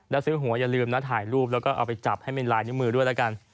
และซื้อหัวอย่าลืมนะถ่ายรูปแล้วก็เอาไปจับให้มีลายในมือด้วยล่ะกัน